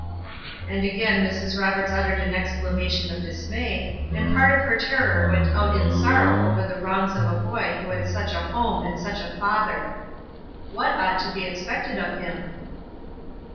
And again Mrs. Roberts uttered an exclamation of dismay, and part of her terror went out in sorrow over the wrongs of a boy who had such a home and such a father. What ought to be expected of him?